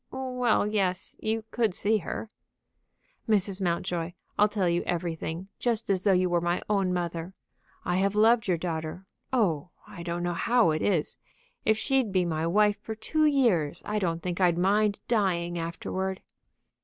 "Well, yes; you could see her." "Mrs. Mountjoy, I'll tell you everything, just as though you were my own mother. I have loved your daughter; oh, I don't know how it is! If she'd be my wife for two years, I don't think I'd mind dying afterward."